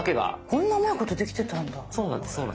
こんなうまいことできてたんだ。